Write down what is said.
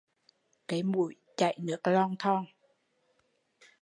Cấy mũi chảy nước lòn thòn